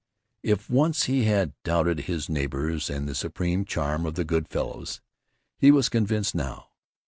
If once he had doubted his neighbors and the supreme charm of the Good Fellows, he was convinced now.